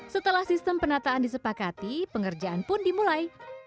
setelah sistem penataan disepakati pengerjaan pun dimulai